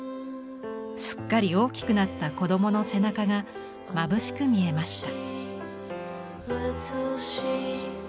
すっかり大きくなった子どもの背中が眩しく見えました」。